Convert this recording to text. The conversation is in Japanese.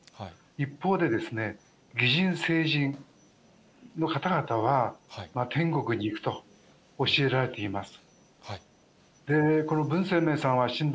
一方で、ぎじん、せいじんの方々は、天国に行くと教えられています。